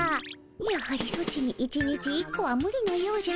やはりソチに１日１個はむりのようじゃの。